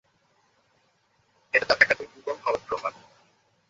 এটা তার একান্তই দুর্বল হওয়ার প্রমাণ।